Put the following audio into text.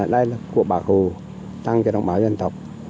đây là của bác hồ tăng cho đồng bào dân tộc